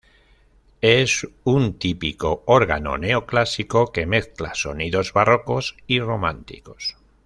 Es un típico órgano neoclásico que mezcla sonidos barrocos y románticos.